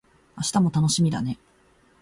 明日も楽しみだね